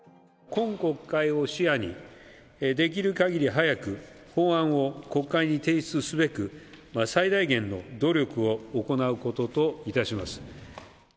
今国会を視野に、できるかぎり早く法案を国会に提出すべく、最大限の努力を行うことといたします。